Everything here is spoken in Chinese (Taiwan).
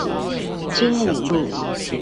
經武路